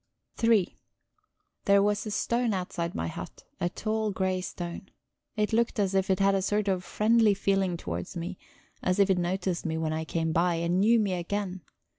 III There was a stone outside my hut, a tall grey stone. It looked as if it had a sort of friendly feeling towards me; as if it noticed me when I came by, and knew me again.